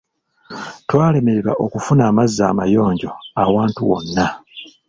Twalemererwa okufuna amazzi amayonjo awantu wonna.